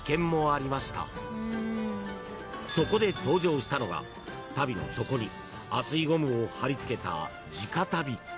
［そこで登場したのが足袋の底に厚いゴムをはり付けた地下足袋］